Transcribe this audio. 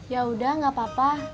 ya udah gak papa